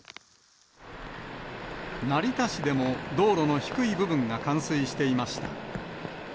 成田市でも道路の低い部分が冠水していました。